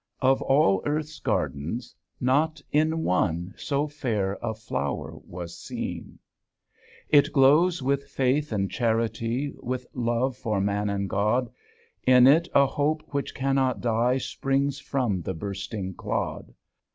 Of all Earth's gardens not in one So fair a flower was seen. [ 45 ] It glows with faith and charity, With love for man and God, In it a hope which cannot die Springs from the bursting clod.